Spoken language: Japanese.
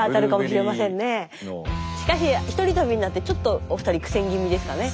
しかし一人旅になってちょっとお二人苦戦気味ですかね。